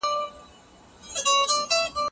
خندا د خوښۍ سره تړاو لري.